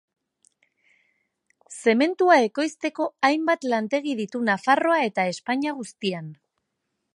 Zementua ekoizteko hainbat lantegi ditu Nafarroa eta Espainia guztian.